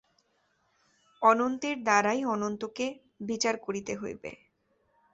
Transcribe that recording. অনন্তের দ্বারাই অনন্তকে বিচার করিতে হইবে।